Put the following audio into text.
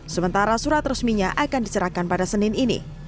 sementara surat resminya akan diserahkan pada senin ini